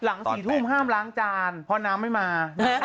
หลัง๔ทุ่มห้ามล้างจานเพราะน้ำไม่มา